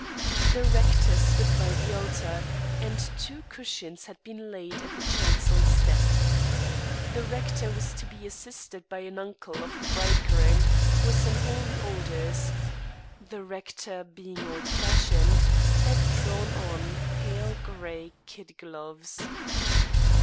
The rector stood by the altar, and two cushions had been laid at the chancel step. The rector was to be assisted by an uncle of the bridegroom who was in Holy Orders; the rector, being old fashioned, had drawn on pale grey kid gloves.